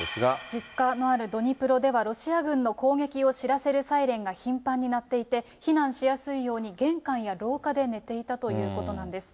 実家のあるドニプロでは、ロシア軍の攻撃を知らせるサイレンが頻繁に鳴っていて、避難しやすいように、玄関や廊下で寝ていたということなんです。